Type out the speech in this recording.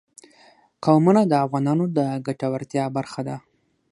قومونه د افغانانو د ګټورتیا برخه ده.